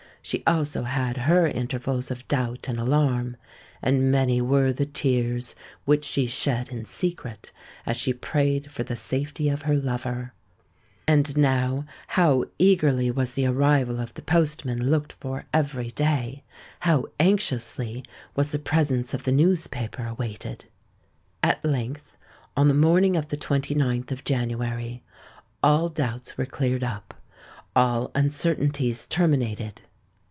she also had her intervals of doubt and alarm; and many were the tears which she shed in secret as she prayed for the safety of her lover. And now how eagerly was the arrival of the postman looked for every day; how anxiously was the presence of the newspaper awaited! At length, on the morning of the 29th of January, all doubts were cleared up—all uncertainties terminated.